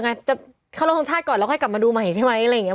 คำนี้จะเข้าโลงทางชาติก่อนแล้วกลับมาดูใหม่ใช่ไหม